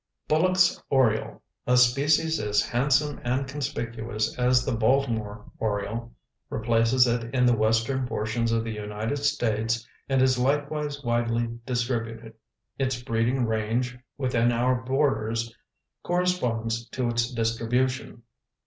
_) Bullock's Oriole, a species as handsome and conspicuous as the Baltimore Oriole, replaces it in the western portions of the United States and is likewise widely distributed. Its breeding range within our borders corresponds to its distribution.